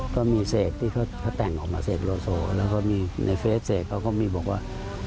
ก็มีเสกที่เขาแต่งออกมาเสกโลโซแล้วก็มีในเฟสเสกเขาก็มีบอกว่า